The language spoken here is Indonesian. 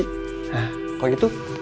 nah kalau gitu